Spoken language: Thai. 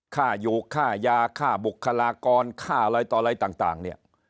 ค่าอยู่ค่ายาค่าบุคลากรค่าอะไรต่ออะไรต่างเนี่ย